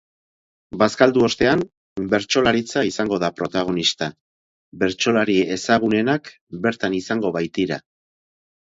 Bazkaldu ostean, bertsolaritza izango da protagonista, bertsolari ezagunenak bertan izango baitira.